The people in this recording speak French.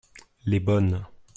les bonnes.